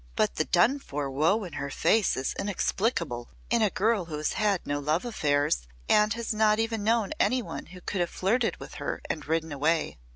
"But the done for woe in her face is inexplicable in a girl who has had no love affairs and has not even known any one who could have flirted with her and ridden away.